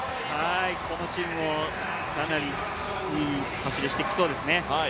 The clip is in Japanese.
このチームもかなりいい走り、してきそうですね。